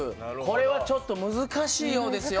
これはちょっと難しいようですよ。